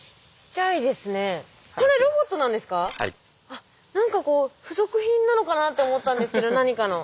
あっ何かこう付属品なのかなと思ったんですけど何かの。